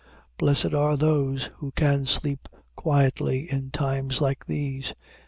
Blessed are those who can sleep quietly in times like these!